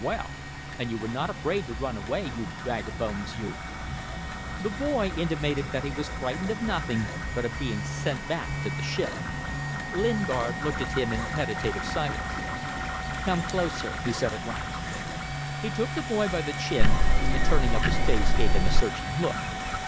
well! And you were not afraid to run away, you bag of bones, you!" The boy intimated that he was frightened of nothing but of being sent back to the ship. Lingard looked at him in meditative silence. "Come closer," he said at last. He took the boy by the chin, and turning up his face gave him a searching look.